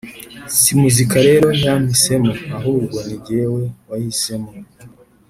Si muzika rero yampisemo , ahubwo ni jyewe wayihisemo